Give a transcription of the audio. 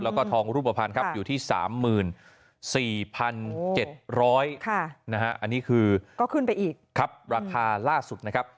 แล้วก็ทองรูปภัณฑ์ครับอยู่ที่๓๔๗๐๐นะครับอันนี้คือราคาล่าสุดนะครับ